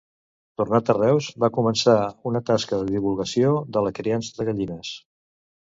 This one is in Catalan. Tornat a Reus, va començar una tasca de divulgació de la criança de gallines.